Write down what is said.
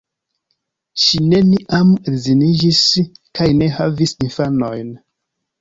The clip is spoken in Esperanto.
Ŝi neniam edziniĝis kaj ne havis infanojn.